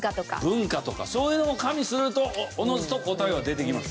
そういうのも加味するとおのずと答えは出てきます。